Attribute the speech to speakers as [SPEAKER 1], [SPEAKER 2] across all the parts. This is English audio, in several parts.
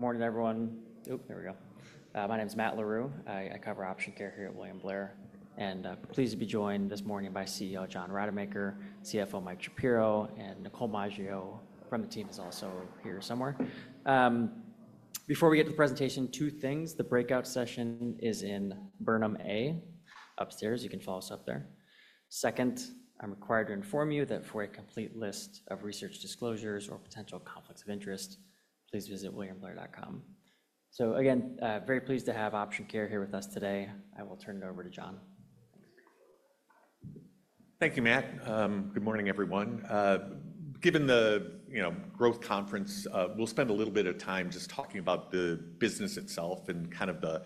[SPEAKER 1] Good morning, everyone. Oh, there we go. My name is Matt LaRue. I cover Option Care Health here at William Blair. And I'm pleased to be joined this morning by CEO John Rademacher, CFO Mike Shapiro, and Nicole Maggio from the team is also here somewhere. Before we get to the presentation, two things. The breakout session is in Burnham A, upstairs. You can follow us up there. Second, I'm required to inform you that for a complete list of research disclosures or potential conflicts of interest, please visit williamblair.com. Again, very pleased to have Option Care Health here with us today. I will turn it over to John.
[SPEAKER 2] Thank you, Matt. Good morning, everyone. Given the, you know, growth conference, we'll spend a little bit of time just talking about the business itself and kind of the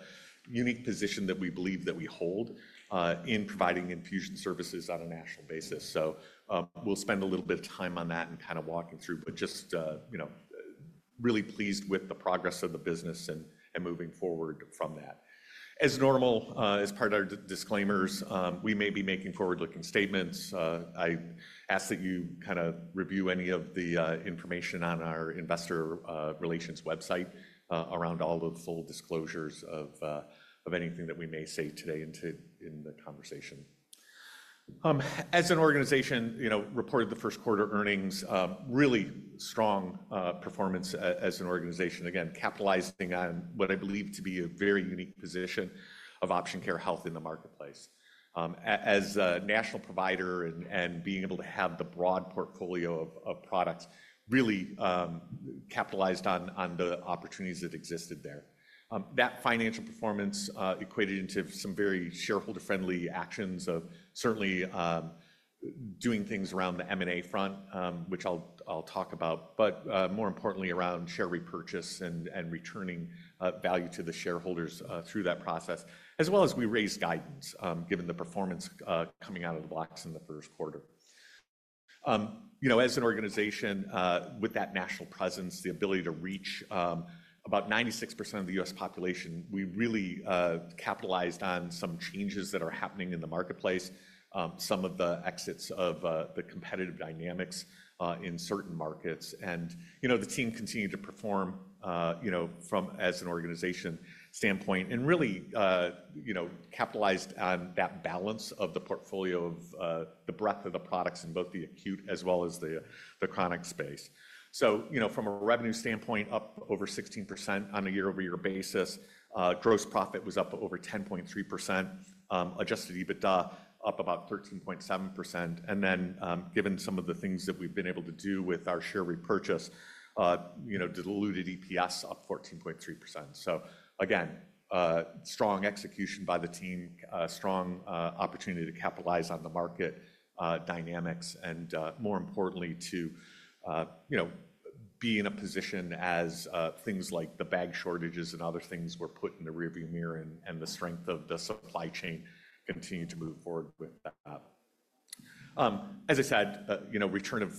[SPEAKER 2] unique position that we believe that we hold in providing infusion services on a national basis. We'll spend a little bit of time on that and kind of walking through, but just, you know, really pleased with the progress of the business and moving forward from that. As normal, as part of our disclaimers, we may be making forward-looking statements. I ask that you kind of review any of the information on our investor relations website around all of the full disclosures of anything that we may say today in the conversation. As an organization, you know, reported the first quarter earnings, really strong performance as an organization, again, capitalizing on what I believe to be a very unique position of Option Care Health in the marketplace. As a national provider and being able to have the broad portfolio of products, really capitalized on the opportunities that existed there. That financial performance equated into some very shareholder-friendly actions of certainly doing things around the M&A front, which I'll talk about, but more importantly around share repurchase and returning value to the shareholders through that process, as well as we raised guidance given the performance coming out of the box in the first quarter. You know, as an organization with that national presence, the ability to reach about 96% of the U.S. population, we really capitalized on some changes that are happening in the marketplace, some of the exits of the competitive dynamics in certain markets. You know, the team continued to perform, you know, from as an organization standpoint and really, you know, capitalized on that balance of the portfolio of the breadth of the products in both the acute as well as the chronic space. You know, from a revenue standpoint, up over 16% on a year-over-year basis, gross profit was up over 10.3%, adjusted EBITDA up about 13.7%. Given some of the things that we've been able to do with our share repurchase, you know, diluted EPS up 14.3%. Again, strong execution by the team, strong opportunity to capitalize on the market dynamics and more importantly to, you know, be in a position as things like the bag shortages and other things were put in the rearview mirror and the strength of the supply chain continue to move forward with that. As I said, you know, return of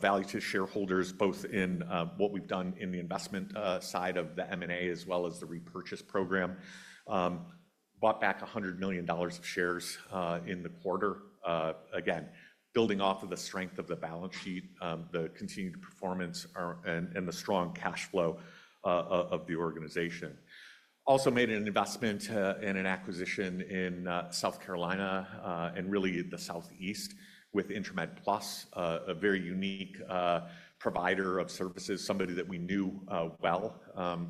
[SPEAKER 2] value to shareholders both in what we've done in the investment side of the M&A as well as the repurchase program, bought back $100 million of shares in the quarter. Again, building off of the strength of the balance sheet, the continued performance, and the strong cash flow of the organization. Also made an investment in an acquisition in South Carolina and really the Southeast with Intramed Plus, a very unique provider of services, somebody that we knew well,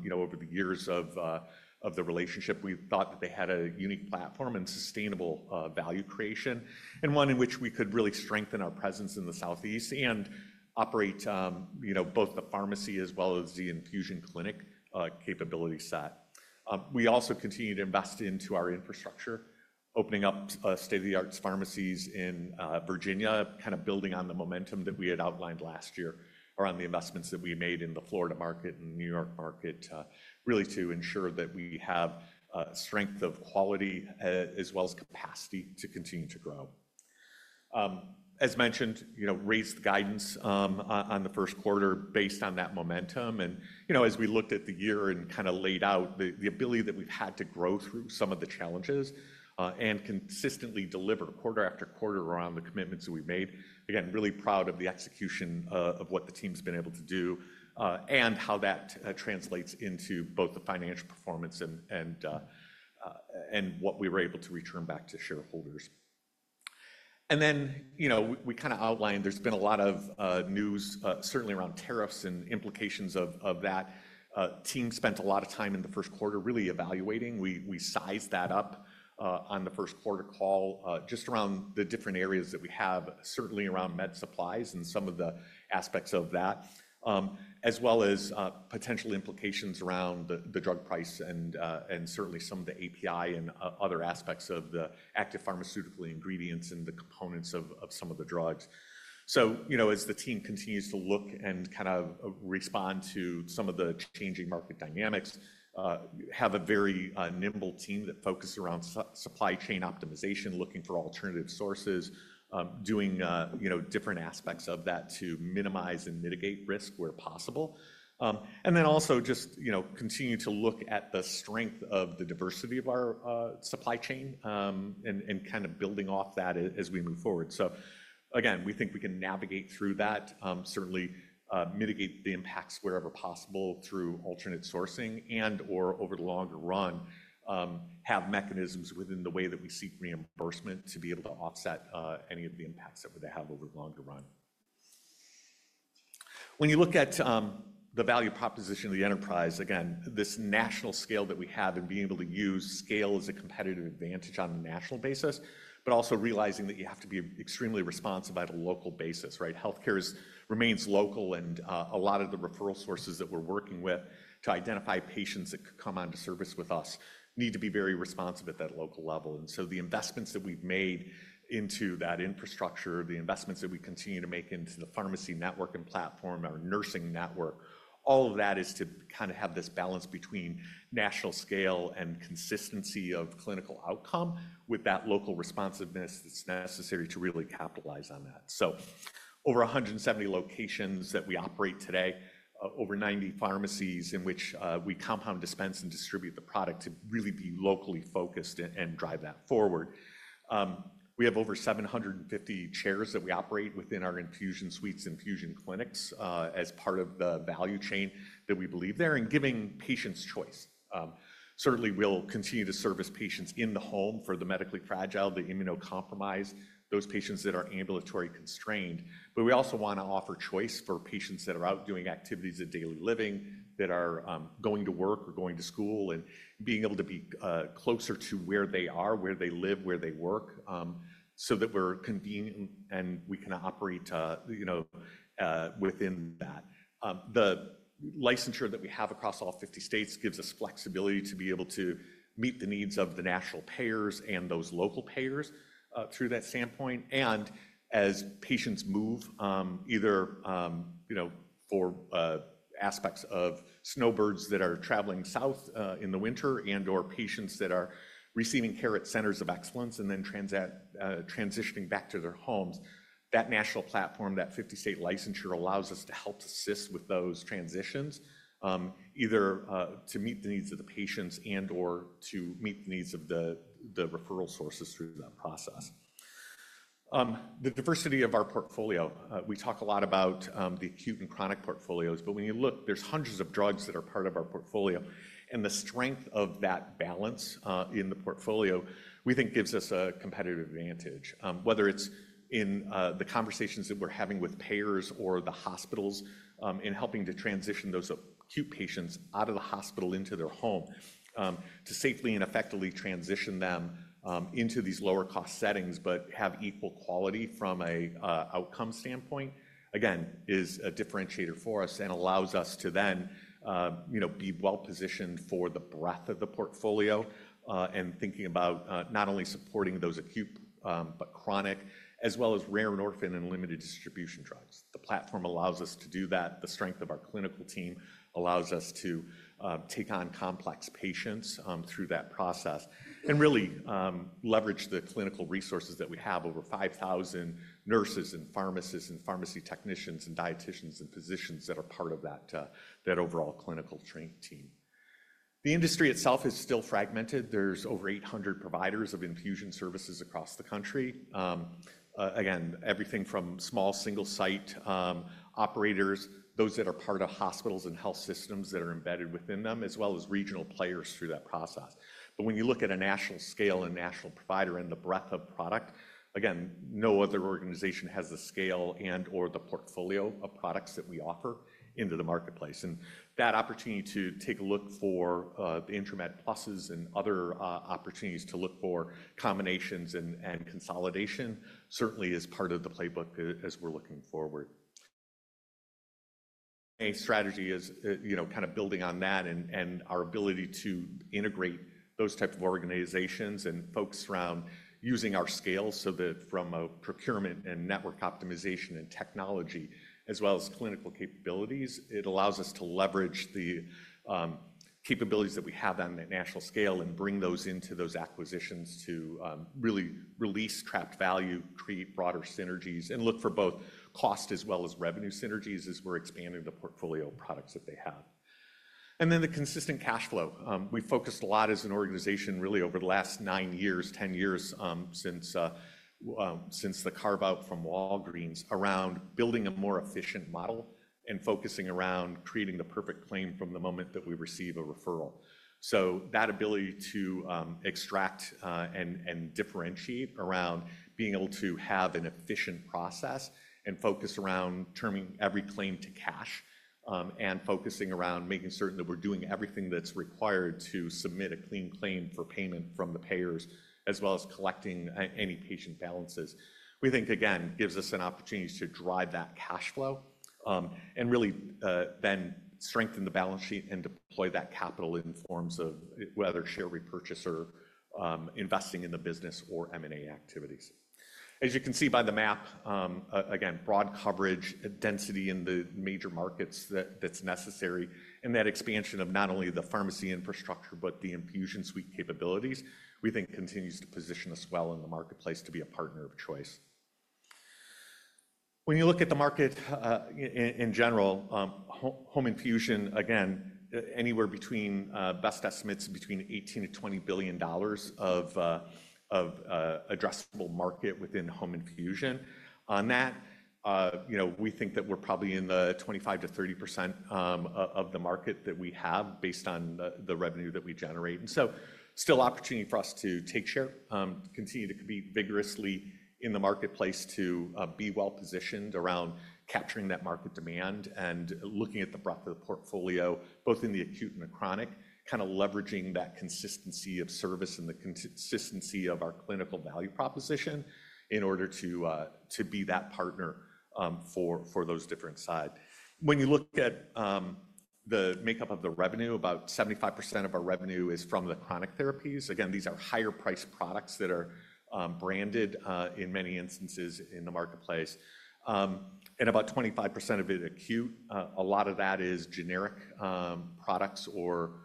[SPEAKER 2] you know, over the years of the relationship. We thought that they had a unique platform and sustainable value creation and one in which we could really strengthen our presence in the Southeast and operate, you know, both the pharmacy as well as the infusion clinic capability set. We also continued to invest into our infrastructure, opening up state-of-the-art pharmacies in Virginia, kind of building on the momentum that we had outlined last year around the investments that we made in the Florida market and New York market, really to ensure that we have strength of quality as well as capacity to continue to grow. As mentioned, you know, raised guidance on the first quarter based on that momentum. You know, as we looked at the year and kind of laid out the ability that we've had to grow through some of the challenges and consistently deliver quarter after quarter around the commitments that we made. Again, really proud of the execution of what the team's been able to do and how that translates into both the financial performance and what we were able to return back to shareholders. You know, we kind of outlined there's been a lot of news, certainly around tariffs and implications of that. Team spent a lot of time in the first quarter really evaluating. We sized that up on the first quarter call just around the different areas that we have, certainly around med supplies and some of the aspects of that, as well as potential implications around the drug price and certainly some of the API and other aspects of the active pharmaceutical ingredients and the components of some of the drugs. You know, as the team continues to look and kind of respond to some of the changing market dynamics, we have a very nimble team that focuses around supply chain optimization, looking for alternative sources, doing, you know, different aspects of that to minimize and mitigate risk where possible. Also, just, you know, continue to look at the strength of the diversity of our supply chain and kind of building off that as we move forward. Again, we think we can navigate through that, certainly mitigate the impacts wherever possible through alternate sourcing and/or over the longer run have mechanisms within the way that we seek reimbursement to be able to offset any of the impacts that they have over the longer run. When you look at the value proposition of the enterprise, again, this national scale that we have and being able to use scale as a competitive advantage on a national basis, but also realizing that you have to be extremely responsive at a local basis, right? Healthcare remains local and a lot of the referral sources that we're working with to identify patients that could come onto service with us need to be very responsive at that local level. The investments that we've made into that infrastructure, the investments that we continue to make into the pharmacy network and platform, our nursing network, all of that is to kind of have this balance between national scale and consistency of clinical outcome with that local responsiveness that's necessary to really capitalize on that. Over 170 locations that we operate today, over 90 pharmacies in which we compound, dispense, and distribute the product to really be locally focused and drive that forward. We have over 750 chairs that we operate within our infusion suites, infusion clinics as part of the value chain that we believe there and giving patients choice. Certainly, we'll continue to service patients in the home for the medically fragile, the immunocompromised, those patients that are ambulatory constrained. We also want to offer choice for patients that are out doing activities of daily living, that are going to work or going to school and being able to be closer to where they are, where they live, where they work so that we're convenient and we can operate, you know, within that. The licensure that we have across all 50 states gives us flexibility to be able to meet the needs of the national payers and those local payers through that standpoint. As patients move, either, you know, for aspects of snowbirds that are traveling south in the winter and/or patients that are receiving care at centers of excellence and then transitioning back to their homes, that national platform, that 50-state licensure allows us to help assist with those transitions, either to meet the needs of the patients and/or to meet the needs of the referral sources through that process. The diversity of our portfolio, we talk a lot about the acute and chronic portfolios, but when you look, there's hundreds of drugs that are part of our portfolio. The strength of that balance in the portfolio, we think, gives us a competitive advantage, whether it is in the conversations that we are having with payers or the hospitals in helping to transition those acute patients out of the hospital into their home to safely and effectively transition them into these lower-cost settings, but have equal quality from an outcome standpoint, again, is a differentiator for us and allows us to then, you know, be well-positioned for the breadth of the portfolio and thinking about not only supporting those acute, but chronic, as well as rare and orphan and limited distribution drugs. The platform allows us to do that. The strength of our clinical team allows us to take on complex patients through that process and really leverage the clinical resources that we have, over 5,000 nurses and pharmacists and pharmacy technicians and dieticians and physicians that are part of that overall clinical training team. The industry itself is still fragmented. There are over 800 providers of infusion services across the country. Again, everything from small single-site operators, those that are part of hospitals and health systems that are embedded within them, as well as regional players through that process. When you look at a national scale and national provider and the breadth of product, again, no other organization has the scale and/or the portfolio of products that we offer into the marketplace. That opportunity to take a look for the Intramed Pluses and other opportunities to look for combinations and consolidation certainly is part of the playbook as we're looking forward. My strategy is, you know, kind of building on that and our ability to integrate those types of organizations and folks around using our scale so that from a procurement and network optimization and technology as well as clinical capabilities, it allows us to leverage the capabilities that we have on that national scale and bring those into those acquisitions to really release trapped value, create broader synergies, and look for both cost as well as revenue synergies as we're expanding the portfolio of products that they have. Then the consistent cash flow. We focused a lot as an organization really over the last nine years, ten years since the carve-out from Walgreens around building a more efficient model and focusing around creating the perfect claim from the moment that we receive a referral. That ability to extract and differentiate around being able to have an efficient process and focus around turning every claim to cash and focusing around making certain that we're doing everything that's required to submit a clean claim for payment from the payers as well as collecting any patient balances, we think, again, gives us an opportunity to drive that cash flow and really then strengthen the balance sheet and deploy that capital in forms of whether share repurchase or investing in the business or M&A activities. As you can see by the map, again, broad coverage, density in the major markets that's necessary, and that expansion of not only the pharmacy infrastructure, but the infusion suite capabilities, we think continues to position us well in the marketplace to be a partner of choice. When you look at the market in general, home infusion, again, anywhere between best estimates between $18 billion-$20 billion of addressable market within home infusion. On that, you know, we think that we're probably in the 25%-30% of the market that we have based on the revenue that we generate. There is still opportunity for us to take share, continue to be vigorously in the marketplace to be well-positioned around capturing that market demand and looking at the breadth of the portfolio, both in the acute and the chronic, kind of leveraging that consistency of service and the consistency of our clinical value proposition in order to be that partner for those different sides. When you look at the makeup of the revenue, about 75% of our revenue is from the chronic therapies. Again, these are higher-priced products that are branded in many instances in the marketplace. About 25% of it is acute. A lot of that is generic products or,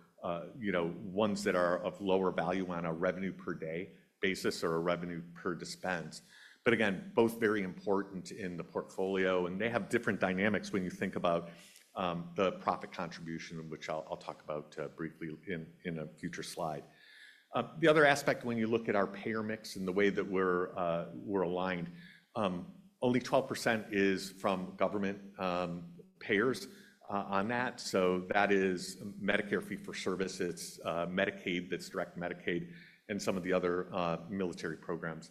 [SPEAKER 2] you know, ones that are of lower value on a revenue per day basis or a revenue per dispense. Again, both are very important in the portfolio. They have different dynamics when you think about the profit contribution, which I'll talk about briefly in a future slide. The other aspect when you look at our payer mix and the way that we're aligned, only 12% is from government payers on that. That is Medicare fee for service. It is Medicaid that is direct to Medicaid and some of the other military programs.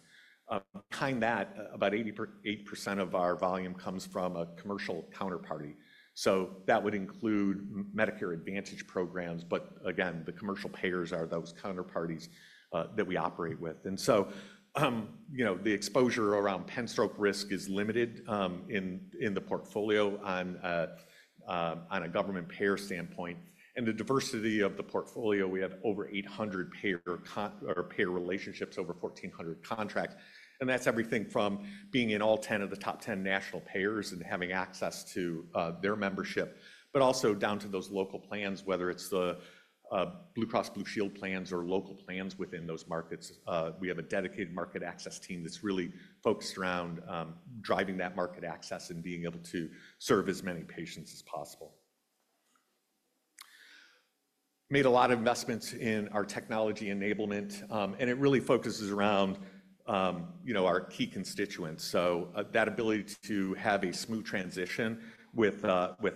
[SPEAKER 2] Behind that, about 80% of our volume comes from a commercial counterparty. That would include Medicare Advantage programs. Again, the commercial payers are those counterparties that we operate with. You know, the exposure around penstroke risk is limited in the portfolio on a government payer standpoint. The diversity of the portfolio, we have over 800 payer or payer relationships, over 1,400 contracts. That's everything from being in all 10 of the top 10 national payers and having access to their membership, but also down to those local plans, whether it's the Blue Cross Blue Shield plans or local plans within those markets. We have a dedicated market access team that's really focused around driving that market access and being able to serve as many patients as possible. Made a lot of investments in our technology enablement, and it really focuses around, you know, our key constituents. That ability to have a smooth transition with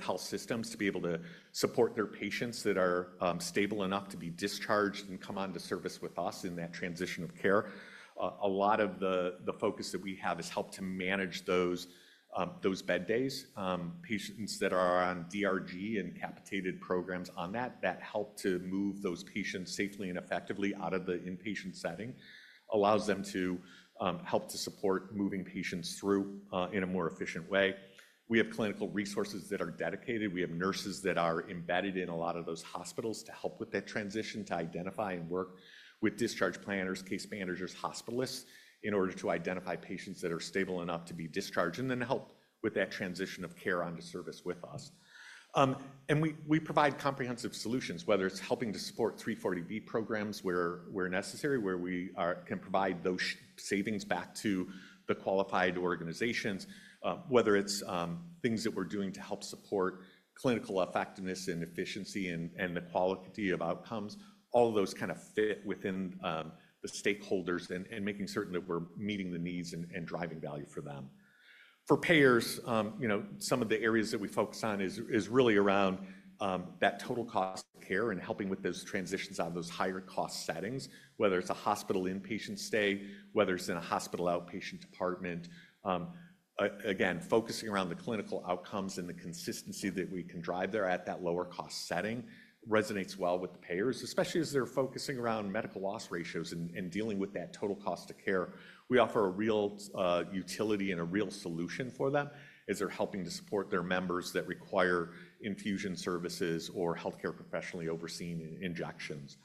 [SPEAKER 2] health systems to be able to support their patients that are stable enough to be discharged and come onto service with us in that transition of care. A lot of the focus that we have has helped to manage those bed days. Patients that are on DRG and capitated programs on that, that help to move those patients safely and effectively out of the inpatient setting, allows them to help to support moving patients through in a more efficient way. We have clinical resources that are dedicated. We have nurses that are embedded in a lot of those hospitals to help with that transition, to identify and work with discharge planners, case managers, hospitalists in order to identify patients that are stable enough to be discharged and then help with that transition of care onto service with us. We provide comprehensive solutions, whether it's helping to support 340B programs where necessary, where we can provide those savings back to the qualified organizations, whether it's things that we're doing to help support clinical effectiveness and efficiency and the quality of outcomes. All of those kind of fit within the stakeholders and making certain that we're meeting the needs and driving value for them. For payers, you know, some of the areas that we focus on is really around that total cost of care and helping with those transitions on those higher-cost settings, whether it's a hospital inpatient stay, whether it's in a hospital outpatient department. Again, focusing around the clinical outcomes and the consistency that we can drive there at that lower-cost setting resonates well with the payers, especially as they're focusing around medical loss ratios and dealing with that total cost of care. We offer a real utility and a real solution for them as they're helping to support their members that require infusion services or healthcare professionally overseen injections.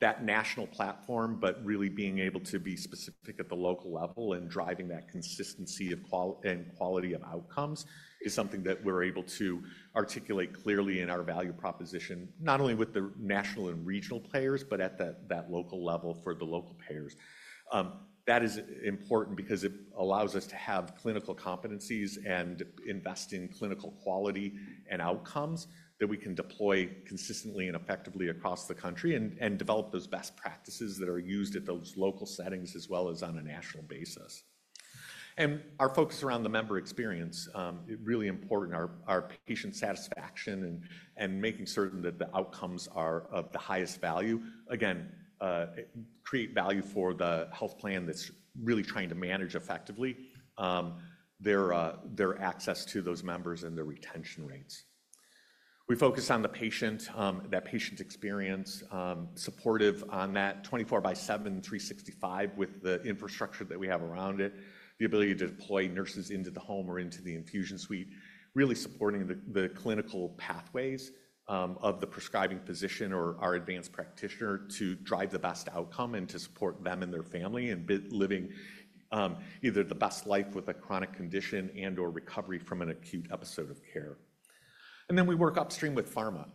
[SPEAKER 2] That national platform, but really being able to be specific at the local level and driving that consistency and quality of outcomes is something that we're able to articulate clearly in our value proposition, not only with the national and regional players, but at that local level for the local payers. That is important because it allows us to have clinical competencies and invest in clinical quality and outcomes that we can deploy consistently and effectively across the country and develop those best practices that are used at those local settings as well as on a national basis. Our focus around the member experience, really important, our patient satisfaction and making certain that the outcomes are of the highest value, again, create value for the health plan that's really trying to manage effectively their access to those members and their retention rates. We focus on the patient, that patient experience, supportive on that 24 by 7, 365 with the infrastructure that we have around it, the ability to deploy nurses into the home or into the infusion suite, really supporting the clinical pathways of the prescribing physician or our advanced practitioner to drive the best outcome and to support them and their family in living either the best life with a chronic condition and/or recovery from an acute episode of care. We work upstream with pharma,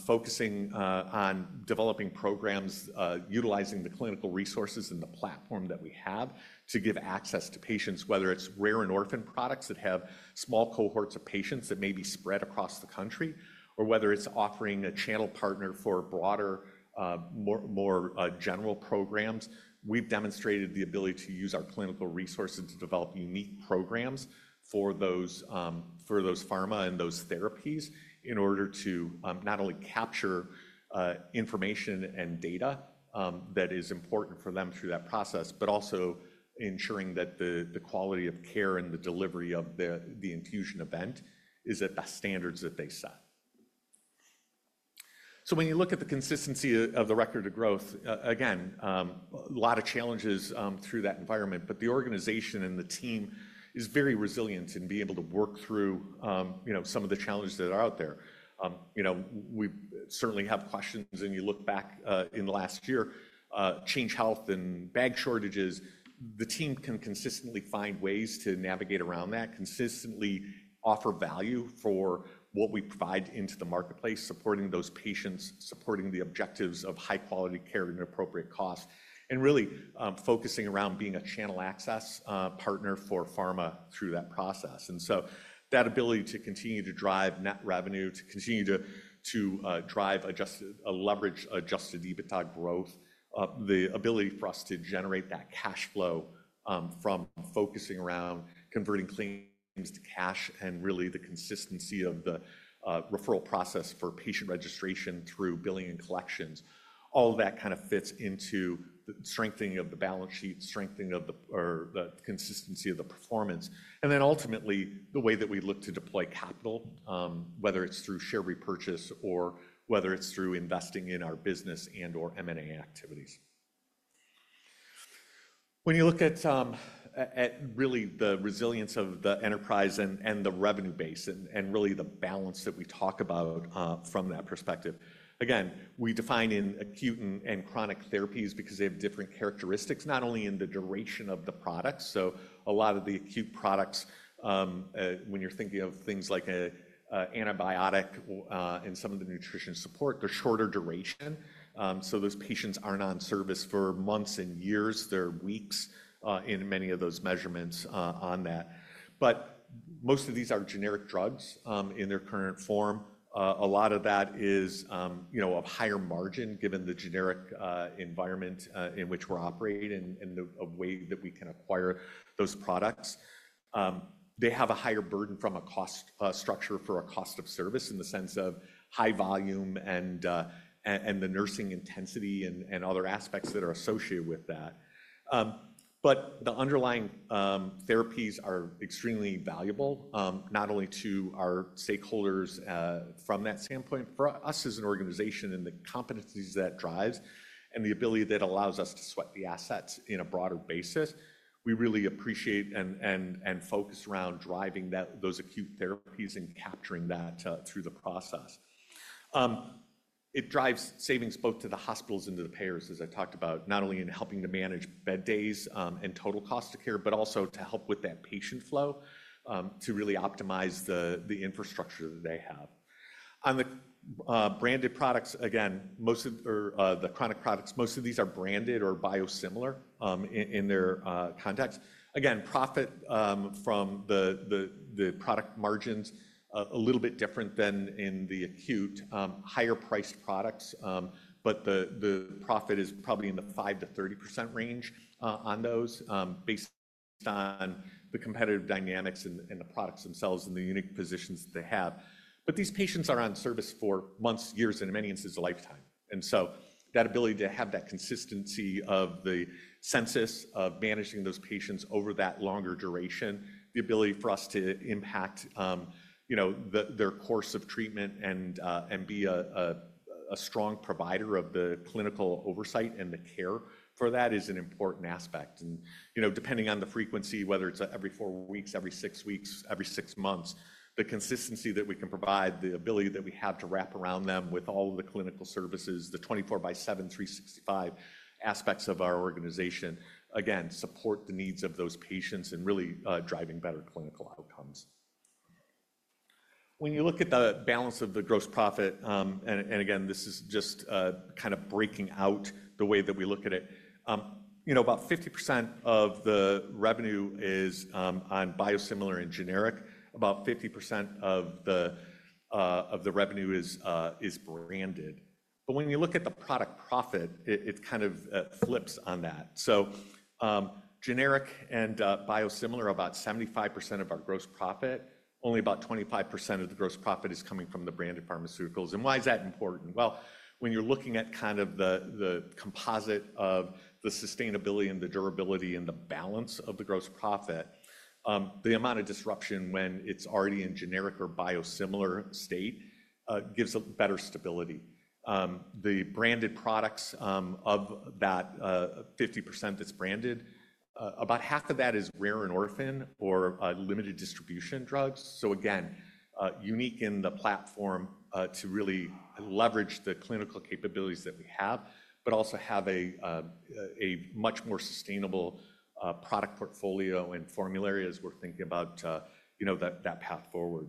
[SPEAKER 2] focusing on developing programs, utilizing the clinical resources and the platform that we have to give access to patients, whether it's rare and orphan products that have small cohorts of patients that may be spread across the country, or whether it's offering a channel partner for broader, more general programs. We've demonstrated the ability to use our clinical resources to develop unique programs for those pharma and those therapies in order to not only capture information and data that is important for them through that process, but also ensuring that the quality of care and the delivery of the infusion event is at the standards that they set. When you look at the consistency of the record of growth, again, a lot of challenges through that environment, but the organization and the team is very resilient in being able to work through, you know, some of the challenges that are out there. You know, we certainly have questions and you look back in the last year, Change Healthcare and bag shortages. The team can consistently find ways to navigate around that, consistently offer value for what we provide into the marketplace, supporting those patients, supporting the objectives of high-quality care and appropriate costs, and really focusing around being a channel access partner for pharma through that process. That ability to continue to drive net revenue, to continue to drive a leveraged adjusted EBITDA growth, the ability for us to generate that cash flow from focusing around converting claims to cash and really the consistency of the referral process for patient registration through billing and collections, all of that kind of fits into the strengthening of the balance sheet, strengthening of the consistency of the performance. Ultimately, the way that we look to deploy capital, whether it's through share repurchase or whether it's through investing in our business and/or M&A activities. When you look at really the resilience of the enterprise and the revenue base and really the balance that we talk about from that perspective, again, we define in acute and chronic therapies because they have different characteristics, not only in the duration of the products. A lot of the acute products, when you're thinking of things like an antibiotic and some of the nutrition support, they're shorter duration. Those patients aren't on service for months and years. They're weeks in many of those measurements on that. Most of these are generic drugs in their current form. A lot of that is, you know, of higher margin given the generic environment in which we're operating and the way that we can acquire those products. They have a higher burden from a cost structure for a cost of service in the sense of high volume and the nursing intensity and other aspects that are associated with that. The underlying therapies are extremely valuable, not only to our stakeholders from that standpoint, for us as an organization and the competencies that drives and the ability that allows us to sweat the assets in a broader basis. We really appreciate and focus around driving those acute therapies and capturing that through the process. It drives savings both to the hospitals and to the payers, as I talked about, not only in helping to manage bed days and total cost of care, but also to help with that patient flow to really optimize the infrastructure that they have. On the branded products, again, most of the chronic products, most of these are branded or biosimilar in their context. Again, profit from the product margins a little bit different than in the acute, higher-priced products, but the profit is probably in the 5-30% range on those based on the competitive dynamics and the products themselves and the unique positions that they have. These patients are on service for months, years, and in many instances, a lifetime. That ability to have that consistency of the census of managing those patients over that longer duration, the ability for us to impact, you know, their course of treatment and be a strong provider of the clinical oversight and the care for that is an important aspect. You know, depending on the frequency, whether it is every four weeks, every six weeks, every six months, the consistency that we can provide, the ability that we have to wrap around them with all of the clinical services, the 24 by 7, 365 aspects of our organization, again, support the needs of those patients and really driving better clinical outcomes. When you look at the balance of the gross profit, and again, this is just kind of breaking out the way that we look at it, about 50% of the revenue is on biosimilar and generic. About 50% of the revenue is branded. When you look at the product profit, it kind of flips on that. Generic and biosimilar, about 75% of our gross profit, only about 25% of the gross profit is coming from the branded pharmaceuticals. Why is that important? When you're looking at kind of the composite of the sustainability and the durability and the balance of the gross profit, the amount of disruption when it's already in generic or biosimilar state gives a better stability. The branded products of that 50% that's branded, about half of that is rare and orphan or limited distribution drugs. Again, unique in the platform to really leverage the clinical capabilities that we have, but also have a much more sustainable product portfolio and formulary as we're thinking about, you know, that path forward.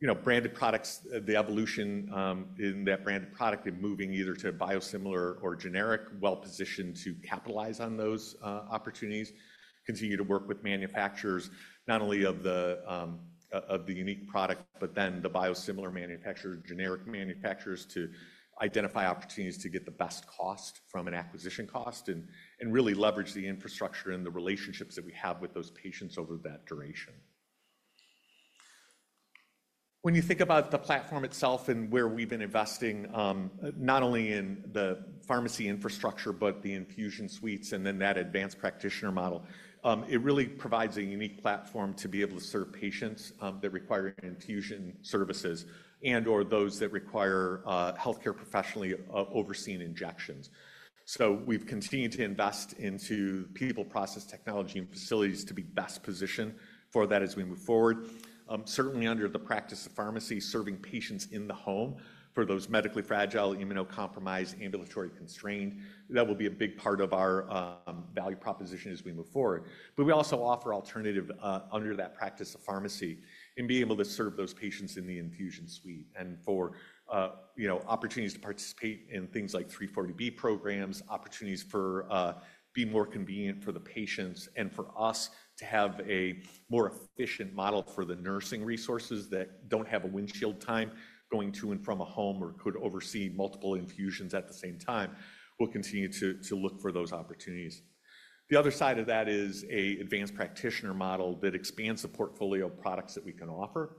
[SPEAKER 2] You know, branded products, the evolution in that branded product and moving either to biosimilar or generic, well-positioned to capitalize on those opportunities, continue to work with manufacturers, not only of the unique product, but then the biosimilar manufacturers, generic manufacturers to identify opportunities to get the best cost from an acquisition cost and really leverage the infrastructure and the relationships that we have with those patients over that duration. When you think about the platform itself and where we've been investing, not only in the pharmacy infrastructure, but the infusion suites and then that advanced practitioner model, it really provides a unique platform to be able to serve patients that require infusion services and/or those that require healthcare professionally overseen injections. We've continued to invest into people, process, technology, and facilities to be best positioned for that as we move forward. Certainly under the practice of pharmacy, serving patients in the home for those medically fragile, immunocompromised, ambulatory constrained, that will be a big part of our value proposition as we move forward. We also offer alternative under that practice of pharmacy and be able to serve those patients in the infusion suite and for, you know, opportunities to participate in things like 340B programs, opportunities for being more convenient for the patients and for us to have a more efficient model for the nursing resources that do not have a windshield time going to and from a home or could oversee multiple infusions at the same time. We will continue to look for those opportunities. The other side of that is an advanced practitioner model that expands the portfolio of products that we can offer.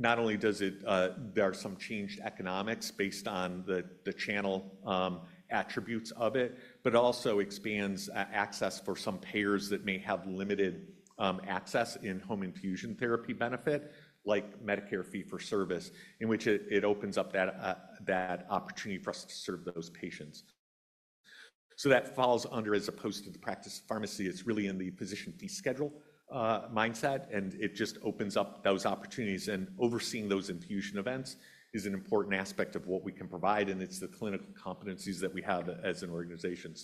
[SPEAKER 2] Not only does it, there are some changed economics based on the channel attributes of it, but it also expands access for some payers that may have limited access in home infusion therapy benefit, like Medicare fee for service, in which it opens up that opportunity for us to serve those patients. That falls under, as opposed to the practice of pharmacy, it's really in the physician fee schedule mindset, and it just opens up those opportunities. Overseeing those infusion events is an important aspect of what we can provide, and it's the clinical competencies that we have as an organization.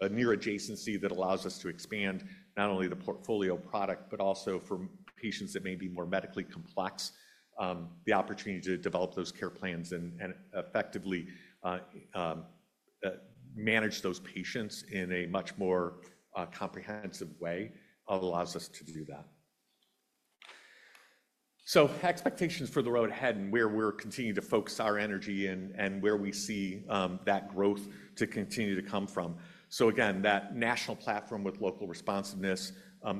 [SPEAKER 2] A near adjacency that allows us to expand not only the portfolio product, but also for patients that may be more medically complex, the opportunity to develop those care plans and effectively manage those patients in a much more comprehensive way allows us to do that. Expectations for the road ahead and where we're continuing to focus our energy and where we see that growth to continue to come from. Again, that national platform with local responsiveness,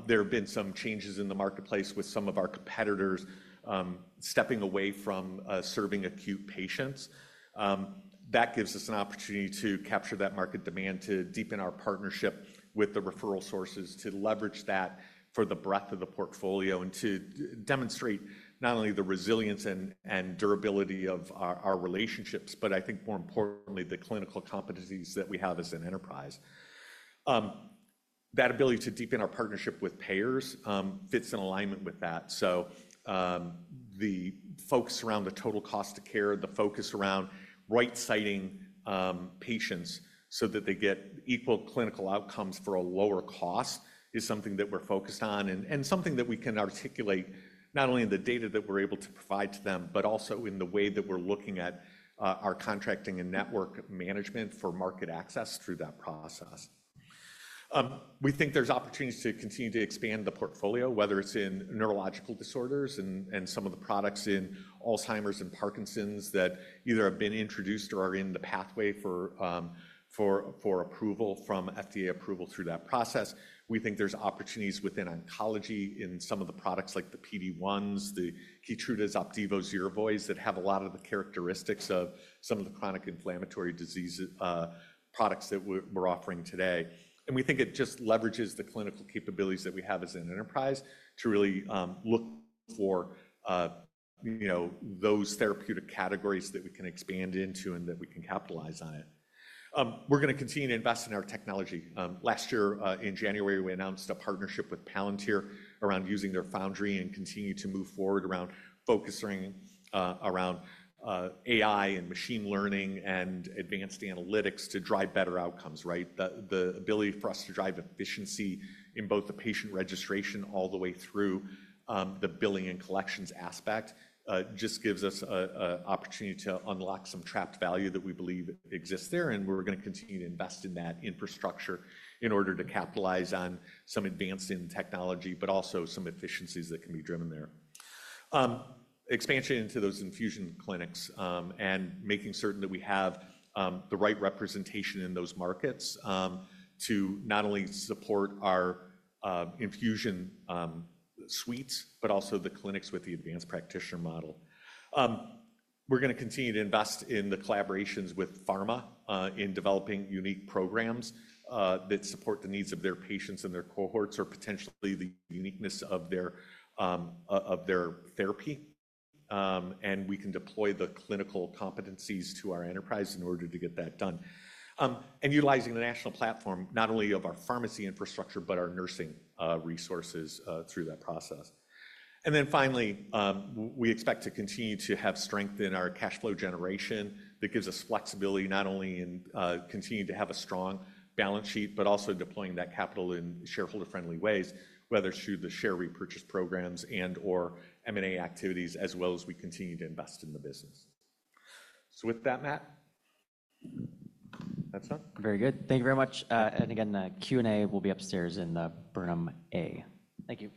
[SPEAKER 2] there have been some changes in the marketplace with some of our competitors stepping away from serving acute patients. That gives us an opportunity to capture that market demand, to deepen our partnership with the referral sources, to leverage that for the breadth of the portfolio and to demonstrate not only the resilience and durability of our relationships, but I think more importantly, the clinical competencies that we have as an enterprise. That ability to deepen our partnership with payers fits in alignment with that. The focus around the total cost of care, the focus around right-siting patients so that they get equal clinical outcomes for a lower cost is something that we're focused on and something that we can articulate not only in the data that we're able to provide to them, but also in the way that we're looking at our contracting and network management for market access through that process. We think there's opportunities to continue to expand the portfolio, whether it's in neurological disorders and some of the products in Alzheimer's and Parkinson's that either have been introduced or are in the pathway for approval from FDA approval through that process. We think there's opportunities within oncology in some of the products like the PD-1s, the Keytrudas, Opdivos, ZeroVoids that have a lot of the characteristics of some of the chronic inflammatory disease products that we're offering today. We think it just leverages the clinical capabilities that we have as an enterprise to really look for, you know, those therapeutic categories that we can expand into and that we can capitalize on it. We're going to continue to invest in our technology. Last year in January, we announced a partnership with Palantir around using their Foundry and continue to move forward around focusing around AI and machine learning and advanced analytics to drive better outcomes, right? The ability for us to drive efficiency in both the patient registration all the way through the billing and collections aspect just gives us an opportunity to unlock some trapped value that we believe exists there. We're going to continue to invest in that infrastructure in order to capitalize on some advancing technology, but also some efficiencies that can be driven there. Expansion into those infusion clinics and making certain that we have the right representation in those markets to not only support our infusion suites, but also the clinics with the advanced practitioner model. We are going to continue to invest in the collaborations with pharma in developing unique programs that support the needs of their patients and their cohorts or potentially the uniqueness of their therapy. We can deploy the clinical competencies to our enterprise in order to get that done. Utilizing the national platform, not only of our pharmacy infrastructure, but our nursing resources through that process. We expect to continue to have strength in our cash flow generation that gives us flexibility not only in continuing to have a strong balance sheet, but also deploying that capital in shareholder-friendly ways, whether through the share repurchase programs and/or M&A activities as well as we continue to invest in the business. With that, Matt.
[SPEAKER 1] That's it. Very good. Thank you very much. Again, the Q&A will be upstairs in Burnham A. Thank you.